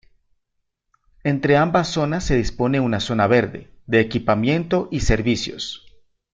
Entre ambas zonas se dispone una zona verde, de equipamiento y servicios.